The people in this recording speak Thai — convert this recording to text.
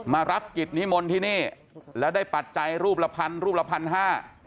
มารับกิจนิมนต์ที่นี่แล้วได้ปัจจัยรูปละพันรูปละพันห้า